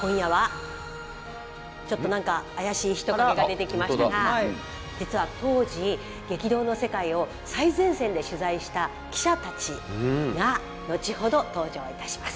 今夜はちょっと何か怪しい人影が出てきましたが実は当時激動の世界を最前線で取材した記者たちが後ほど登場いたします。